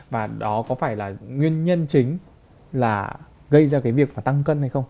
và đó có phải là nguyên nhân chính là gây ra cái việc tăng cân hay không